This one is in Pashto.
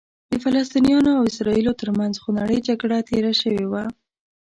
د فلسطینیانو او اسرائیلو ترمنځ خونړۍ جګړه تېره شوې وه.